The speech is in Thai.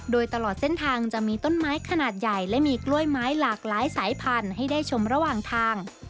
โดยตลอดเส้นทางจะมีต้นไม้ขนาดใหญ่และมีกล้วยไม้หลากหลายสายพันธุ์ให้ได้ชมระหว่างทาง